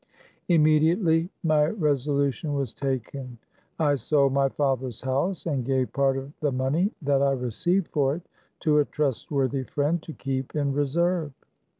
Immediately my resolution was taken. I sold my father's house, and gave part of the money that I received for it to a trustworthy friend, to keep in reserve.